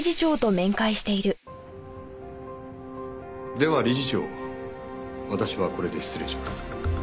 では理事長私はこれで失礼します。